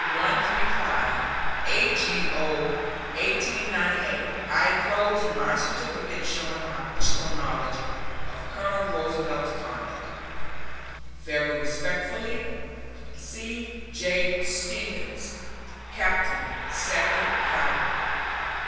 135, A. G. O. 1898, I enclose my certificate showing my personal knowledge of Colonel Roosevelt's conduct. Very respectfully, C. J. STEVENS, Captain Second Cavalry.